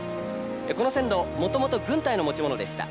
この線路、もともと軍隊の持ち物でした。